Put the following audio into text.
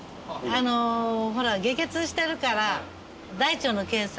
ほら下血してるから大腸の検査。